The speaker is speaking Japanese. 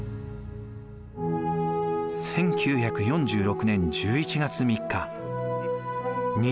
１９４６年１１月３日。